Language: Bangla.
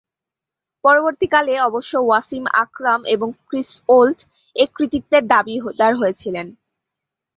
পরবর্তীকালে অবশ্য ওয়াসিম আকরাম এবং ক্রিস ওল্ড এ কৃতিত্বের দাবীদার হয়েছিলেন।